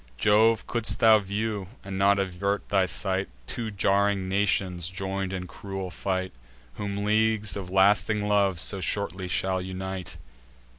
Jove, could'st thou view, and not avert thy sight, Two jarring nations join'd in cruel fight, Whom leagues of lasting love so shortly shall unite!